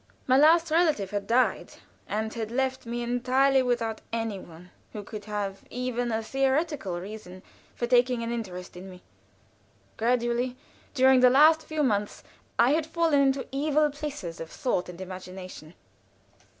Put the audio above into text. My last relative had died and left me entirely without any one who could have even a theoretical reason for taking any interest in me. Gradually, during the last few months, I had fallen into evil places of thought and imagination.